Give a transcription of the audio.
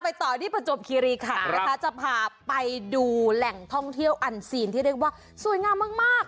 ต่อที่ประจวบคีรีขันนะคะจะพาไปดูแหล่งท่องเที่ยวอันซีนที่เรียกว่าสวยงามมาก